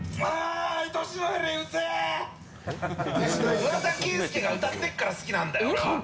桑田佳祐が歌ってるから好きなんだよ！